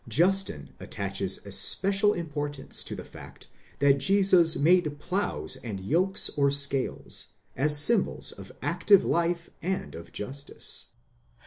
Justin attaches especial importance to the fact that Jesus made ploughs and yokes or scales, as symbols of active life and of justice.